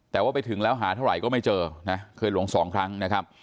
แต่ว่าไปถึงแล้วหาเท่าไหร่ก็ไม่เจอนะเคยหลงสองครั้งนะครับ